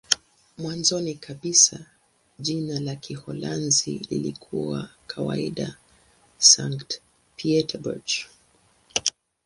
Mwanzoni kabisa jina la Kiholanzi lilikuwa kawaida "Sankt-Pieterburch".